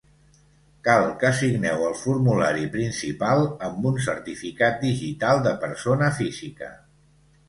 Cal que signeu el formulari principal amb un certificat digital de persona física.